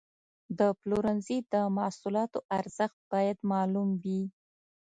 د پلورنځي د محصولاتو ارزښت باید معلوم وي.